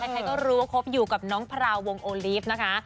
ใครก็รู้ว่าคบอยู่กับน้องพราววงโอลีฟนะคะ